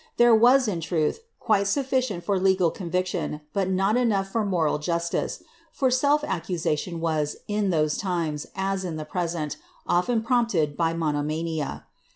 There was, in truth, quite sufficient for legal conviction, but not enough for moral justice ; for self accusation was, in those times, as in the present, often prompted by monomania.